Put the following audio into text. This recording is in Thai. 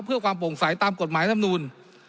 เพื่อความโปร่งใสตามกฎหมายลำนูล